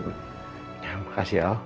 ya makasih ya